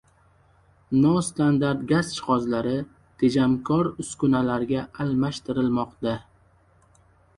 Nostandart gaz jihozlari tejamkor uskunalarga almashtirilmoqda